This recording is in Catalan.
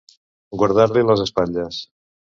Guardar-li les espatlles.